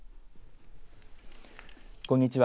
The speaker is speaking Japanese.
こんにちは。